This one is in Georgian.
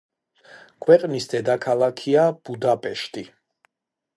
ქვეყნის დედაქალაქია ბუდაპეშტი.